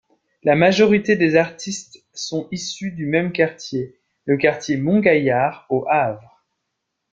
La majorité des artistes sont issus du même quartier: le quartier Mont-Gaillard, au Havre.